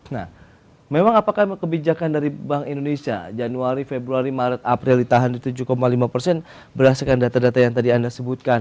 nah memang apakah kebijakan dari bank indonesia januari februari maret april ditahan di tujuh lima persen berdasarkan data data yang tadi anda sebutkan